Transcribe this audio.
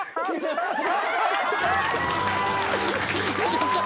よっしゃ。